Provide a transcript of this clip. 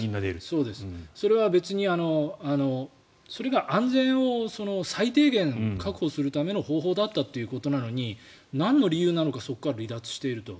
それは別に、それが安全を最低限、確保するための方法だったということなのになんの理由なのかそこから離脱していると。